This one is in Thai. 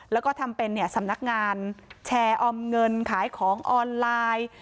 แล้วก็ทำเป็นสำนักงานแชร์ออมเงินขายของออนไลน์